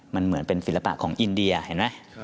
มันเหมือนเป็นศิลปะของอินเดียเห็นไหม